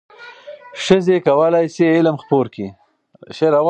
ښځې کولای شي علم خپور کړي.